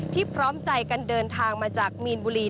พร้อมใจกันเดินทางมาจากมีนบุรี